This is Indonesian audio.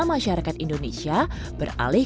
masyarakat indonesia beralih